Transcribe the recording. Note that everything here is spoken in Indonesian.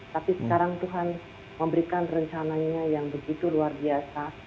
tapi sekarang tuhan memberikan rencananya yang begitu luar biasa